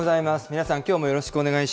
皆さん、きょうもよろしくお願い